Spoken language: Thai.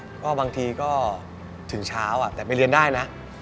เพราะว่าบางทีก็ถึงเช้าแต่ไปเรียนได้นะ